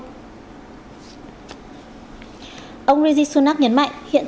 ông rishi sunak nhấn mạnh hiện tại anh có năm người cứ năm người hút thuốc thì có bốn người bắt đầu trước tuổi hai mươi